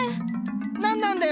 何なんだよ